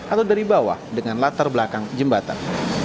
atau dari bawah dengan latar belakang jembatan